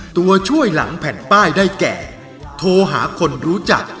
ตัวช่วยหลังแผ่นป้ายได้แก่โทรหาคนรู้จัก